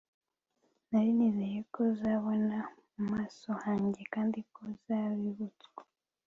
nari nizeye ko uzabona mu maso hanjye kandi ko uzabibutswa